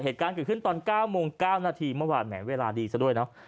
เหตุการณ์เกิดขึ้นตอน๙โมง๙นาทีเมื่อวานแหมเวลาดีซะด้วยเนอะ